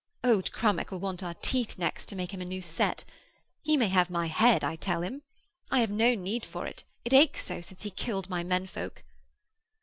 'Old Crummock will want our teeth next to make him a new set. He may have my head, tell him. I have no need for it, it aches so since he killed my men folk.'